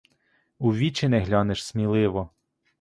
У вічі не глянеш сміливо!